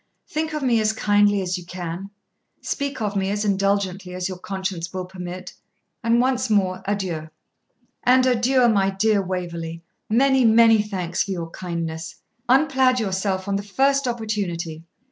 Think of me as kindly as you can, speak of me as indulgently as your conscience will permit, and once more adieu.' 'And adieu, my dear Waverley; many, many thanks for your kindness. Unplaid yourself on the first opportunity.